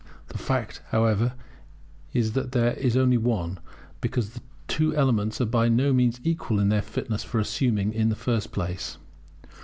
The fact, however, is that there is only one; because these two elements are by no means equal in their fitness for assuming the first place.